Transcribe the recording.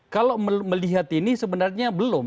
kalau melihat ini sebenarnya belum